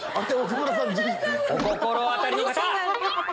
お心当たりの方！